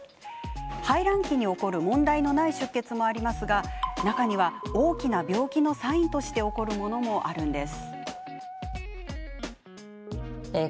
排卵期に起こる問題のない出血もありますが中には大きな病気のサインとして起こるものもあるんです。